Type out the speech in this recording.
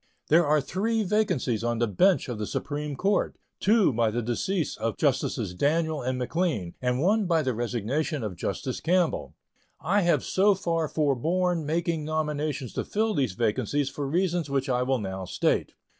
There are three vacancies on the bench of the Supreme Court two by the decease of Justices Daniel and McLean and one by the resignation of Justice Campbell. I have so far forborne making nominations to fill these vacancies for reasons which I will now state.